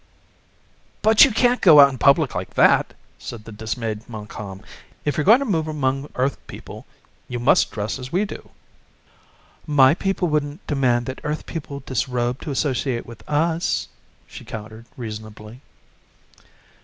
"But you can't go out in public like that!" said the dismayed Montcalm. "If you're going to move among Earth people, you must dress as we do." "My people wouldn't demand that Earth people disrobe to associate with us," she countered reasonably.